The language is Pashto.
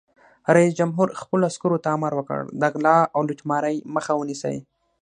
رئیس جمهور خپلو عسکرو ته امر وکړ؛ د غلا او لوټمارۍ مخه ونیسئ!